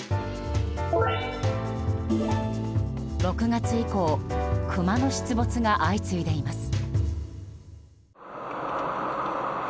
６月以降、クマの出没が相次いでいます。